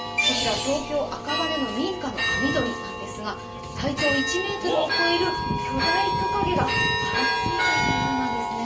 東京・赤羽の民家の網戸に体長１ｍを越える巨大トカゲが張り付いていたようなんですね。